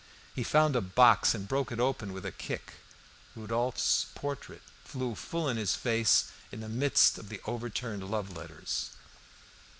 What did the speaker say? He found a box and broke it open with a kick. Rodolphe's portrait flew full in his face in the midst of the overturned love letters.